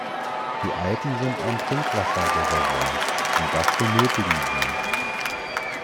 Die Alpen sind ein Trinkwasserreservoir, und das benötigen wir.